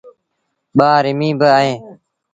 ٻآ رميݩ با اوهيݩ۔